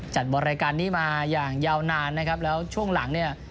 จัดบริการนี้มาอย่างยาวนานนะครับแล้วช่วงหลังเนี่ย